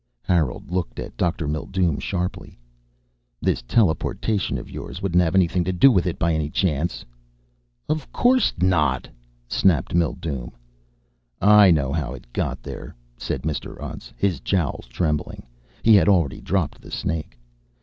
Harold looked at Dr. Mildume sharply. "This teleportation of yours wouldn't have anything to do with it by any chance?" "Of course not," snapped Mildume. "I know how it got here!" said Mr. Untz, his jowls trembling. He had already dropped the snake.